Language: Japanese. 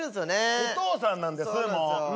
お父さんなんですもう。